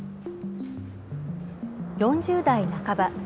４０代半ば。